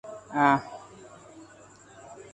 يا واعظ الناس عما أنت فاعله